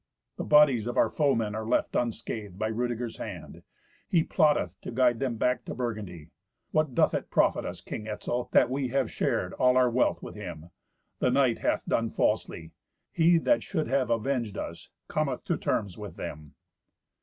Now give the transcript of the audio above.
The bodies of our foemen are left unscathed by Rudeger's hand. He plotteth to guide them back to Burgundy. What doth it profit us, King Etzel, that we have shared all our wealth with him? The knight hath done falsely. He that should have avenged us cometh to terms with them."